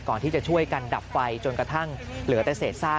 ก่อนที่จะช่วยกันดับไฟจนกระทั่งเหลือแต่เศษซาก